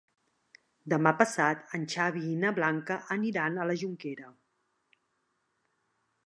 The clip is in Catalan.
Demà passat en Xavi i na Blanca aniran a la Jonquera.